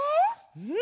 うん！